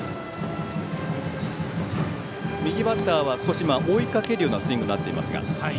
右バッターは追いかけるようなスイングになっていますが。